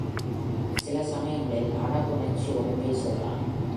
சில சமயங்களில் அழகுணர்ச்சியோடும் பேசுகிறான்.